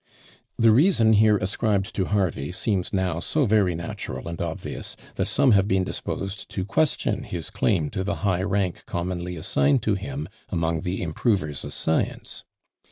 The reason here ascribed to Harvey seems now so very natural and obvious, that some have been disposed to question his claim to the high rank commonly assigned to him among the improvers of science!